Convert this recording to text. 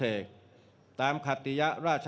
เวรบัติสุภิกษ์